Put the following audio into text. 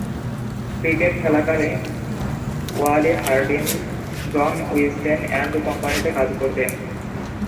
Cricket খেলাকালীন Wally Hardinge John Wisden and কোম্পানিতে কাজ করতেন।